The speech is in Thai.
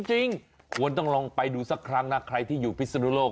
จริงควรต้องลองไปดูสักครั้งนะใครที่อยู่พิศนุโลก